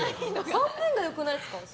半分が良くないですか。